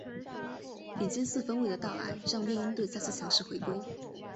顶尖四分卫的到来让猎鹰队再次强势回归。